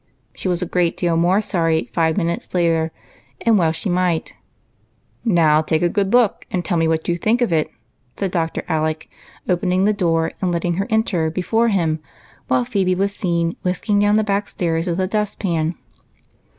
She was a great deal more sorry five minutes later, and well she might be. " Now take a good look, and tell me what you think of it," said Dr. Alec, opening the door and letting her enter before him, while Phebe was seen whisking down the backstairs with a dust pan.